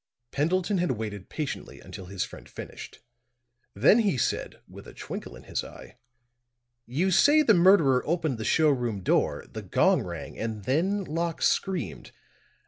Pendleton had waited patiently until his friend finished. Then he said, with a twinkle in his eye: "You say the murderer opened the show room door, the gong rang and then Locke screamed.